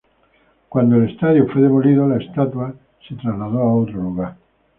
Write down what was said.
Cuando el estadio fue demolido, la estatua se trasladó a otro lugar.